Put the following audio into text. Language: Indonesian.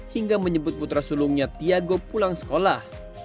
hingga menyebut putra sulungnya tiago pulang sekolah